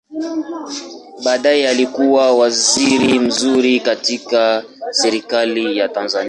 Baadaye alikua waziri mzuri katika Serikali ya Tanzania.